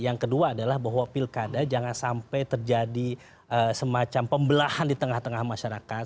yang kedua adalah bahwa pilkada jangan sampai terjadi semacam pembelahan di tengah tengah masyarakat